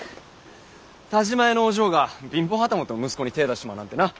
田嶋屋のお嬢が貧乏旗本の息子に手ぇ出しちまうなんてなぁ。